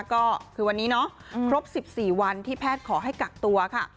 ก็คือวันนี้เนาะครบ๑๔วันที่แพทย์ขอให้กักตัวค่ะ